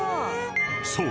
［そう。